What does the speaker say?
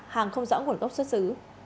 hàng không rõ nguồn gốc xuất xứ